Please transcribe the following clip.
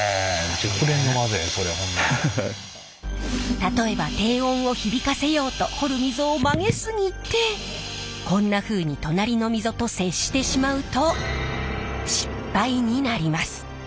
例えば低音を響かせようと彫る溝を曲げ過ぎてこんなふうに隣の溝と接してしまうと失敗になります。